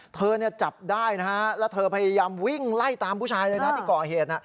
จับได้นะฮะแล้วเธอพยายามวิ่งไล่ตามผู้ชายเลยนะที่ก่อเหตุ